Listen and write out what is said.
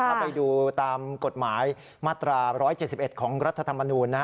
ถ้าไปดูตามกฎหมายมาตรา๑๗๑ของรัฐธรรมนูญ